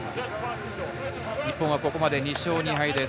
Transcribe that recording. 日本はここまで２勝２敗です。